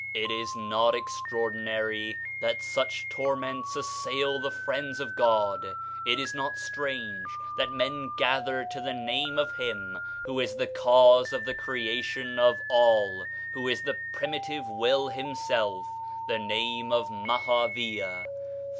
It is not extraordinary that such torments assail the friends of God, it is not strange that men gather to the name of him who is the cause of the creation of all, 39 THE SHINING PATHWAY who is the Primitive Will himself, the name of Maha Viya.